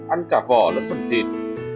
ăn cả vỏ lẫn phần thịt